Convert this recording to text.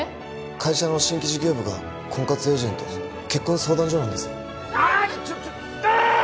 会社の新規事業部が婚活エージェント結婚相談所なんですアッター！